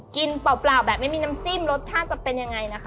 เปล่าแบบไม่มีน้ำจิ้มรสชาติจะเป็นยังไงนะคะ